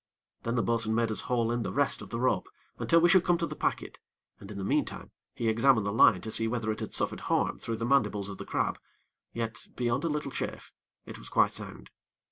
Then the bo'sun bade us haul in the rest of the rope, until we should come to the packet, and, in the meantime, he examined the line to see whether it had suffered harm through the mandibles of the crab; yet, beyond a little chafe, it was quite sound.